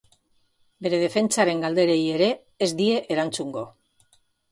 Bere defentsaren galderei ere ez die erantzungo.